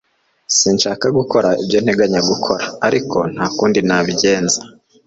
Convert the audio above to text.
Sinshaka gukora ibyo nteganya gukora ariko nta kundi nabigenza